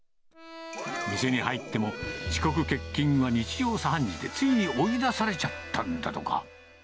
店に入っても、遅刻、欠勤は日常茶飯事で、ついに追い出されちゃったんだとか。